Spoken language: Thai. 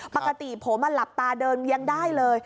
ปกติผมหลับตาเดินยังได้เลย